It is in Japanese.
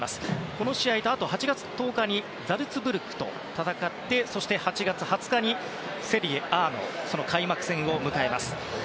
この試合と、あと８月１０日にザルツブルクと戦ってそして８月２０日にセリエＡの開幕戦を迎えます。